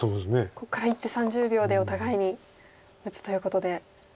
ここから１手３０秒でお互いに打つということで。